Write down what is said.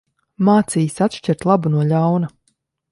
Mācījis atšķirt labu no ļauna.